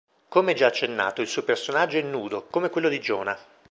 Come già accennato, il suo personaggio è nudo, come quello di Giona.